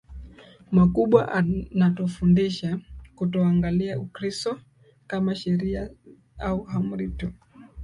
makubwa Anatufundisha kutoangalia Ukristo kama sheria au amri tu